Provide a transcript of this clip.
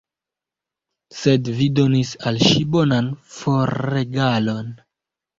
Sed vi donis al ŝi bonan forregalon!